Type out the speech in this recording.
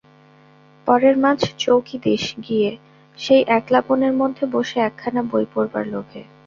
পরের মাছ চৌকি দিস গিয়ে সেই একলা বনের মধ্যে বসে একখানা বই পড়বার লোভে?